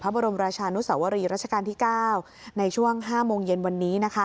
บรมราชานุสวรีรัชกาลที่๙ในช่วง๕โมงเย็นวันนี้